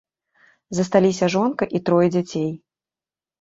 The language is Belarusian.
Засталіся жонка і трое дзяцей.